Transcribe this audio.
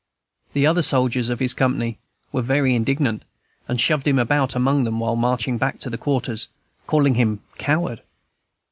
The other soldiers of his company were very indignant, and shoved him about among them while marching back to their quarters, calling him "Coward."